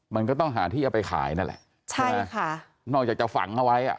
มันก็ต้องหาที่เอาไปขายนั่นแหละนอกจากจะฝังเอาไว้